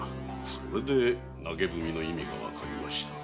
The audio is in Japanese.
それで投文の意味がわかりました。